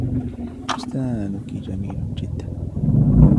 فستانك جميل جدا.